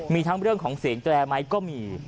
มีทั้งเรื่องของเสียงแตรไหมก็มี